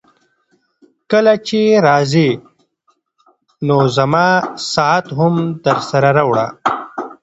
کله چي راځې نو زما ساعت هم درسره راوړه.